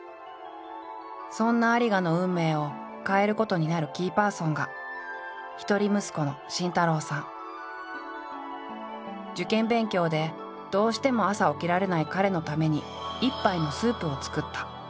そんな有賀の運命を変えることになるキーパーソンが一人息子の受験勉強でどうしても朝起きられない彼のために１杯のスープを作った。